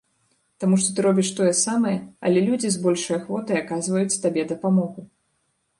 Таму што ты робіш тое самае, але людзі з большай ахвотай аказваюць табе дапамогу.